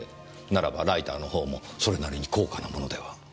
ならばライターのほうもそれなりに高価なものでは？